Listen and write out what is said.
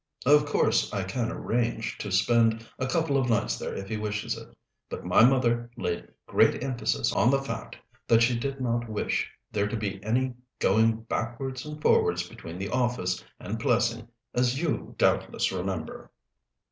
"Of course, I can arrange to spend a couple of nights there if he wishes it. But my mother laid great emphasis on the fact that she did not wish there to be any going backwards and forwards between the office and Plessing, as you doubtless remember."